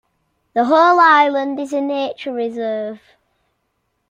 The whole island is a nature reserve.